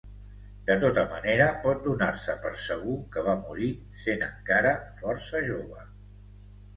De tota manera pot donar-se per segur que va morir sent encara força jove.